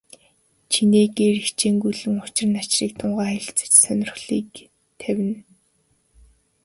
Чинээгээр хичээнгүйлэн учир начрыг тунгаан хэлэлцэж, сонирхлыг тавина.